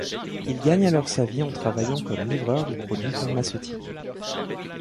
Il gagne alors sa vie en travaillant comme livreur de produits pharmaceutiques.